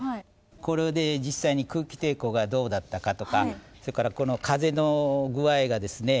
これで実際に空気抵抗がどうだったかとかそれからこの風の具合がですね